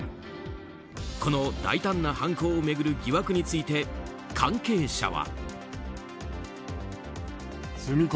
この大胆な犯行を巡る疑惑について、関係者は。